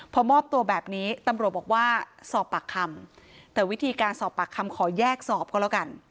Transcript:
พอมอบตัวแบบนี้ตำรวจบอกว่าสอบปากคำแต่วิธีการสอบปากคำขอแยกสอบก็แล้วกัน